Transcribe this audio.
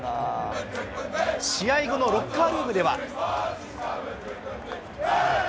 試合後のロッカールームでは。